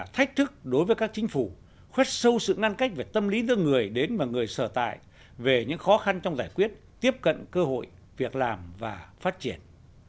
thách thức đối với các chính phủ khuyết sâu sự ngăn cách về tâm lý giữa người đến và người sở tại về những khó khăn trong giải quyết tiếp cận cơ hội việc làm và phát triển